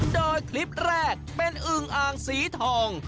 โดยคลิปแรกเป็นอึงอ่างสีทอง